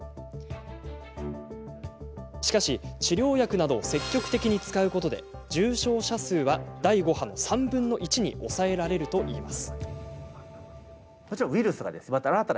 しかし、治療薬などを積極的に使うことで重症者数は第５波の３分の１に抑えられるといいます。